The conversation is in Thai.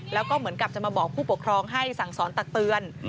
แล้วก็เหมือนกับจะมาบอกผู้ปกครองให้สั่งสอนตักเตือน